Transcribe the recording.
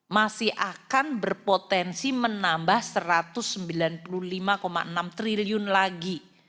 masih akan berpotensi menambah satu ratus sembilan puluh lima enam triliun lagi